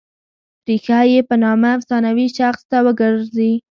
ریښه یې په نامه افسانوي شخص ته ور ګرځي.